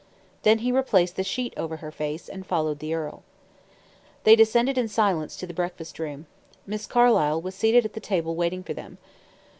Then he replaced the sheet over her face, and followed the earl. They descended in silence to the breakfast room. Miss Carlyle was seated at the table waiting for them.